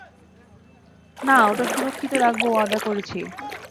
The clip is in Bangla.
না, ওটা সুরক্ষিত রাখব ওয়াদা করেছি।